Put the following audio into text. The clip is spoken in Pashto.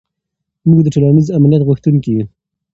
موږ د ټولنیز امنیت غوښتونکي یو.